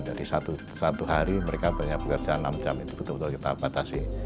jadi satu hari mereka banyak bekerja enam jam itu betul betul kita batasi